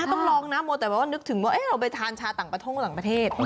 ต้องลองนะมัวแต่ว่านึกถึงว่าเราไปทานชาต่างประท่งหลังประเทศ